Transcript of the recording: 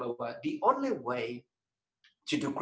cara terakhir untuk melakukan kerja yang bagus